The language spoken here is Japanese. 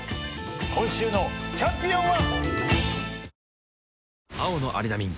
今週のチャンピオンは。